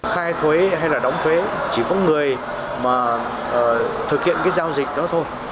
khai thuế hay là đóng thuế chỉ có người mà thực hiện cái giao dịch đó thôi